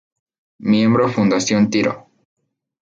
Miembro Fundación Tiro.